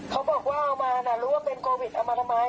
เขาบอกว่าเอามาน่ะรู้ว่าเป็นโควิดเอามาทำไม